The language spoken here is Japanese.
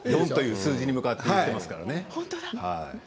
４という数字に向かって言っていますからね。